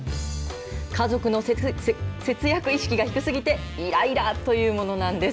家族の節約意識が低すぎていらいらというものなんです。